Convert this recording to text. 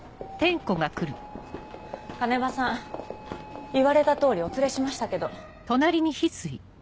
鐘場さん言われた通りお連れしましたけど。